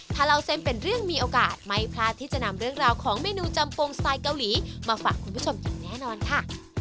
ถ้าเล่าเส้นเป็นเรื่องมีโอกาสไม่พลาดที่จะนำเรื่องราวของเมนูจำโปรงสไตล์เกาหลีมาฝากคุณผู้ชมอย่างแน่นอนค่ะ